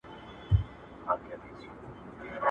• ازمويلی بيامه ازمايه.